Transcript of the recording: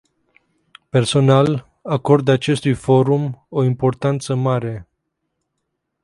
Personal, acord acestui forum o importanță mare.